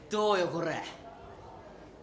これ。